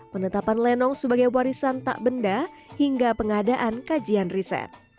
penetapan lenong sebagai warisan tak benda hingga pengadaan kajian riset